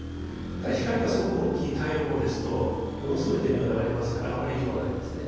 光がすごく大きい太陽光ですとものすごい電流が流れますからあまり影響はないんですね。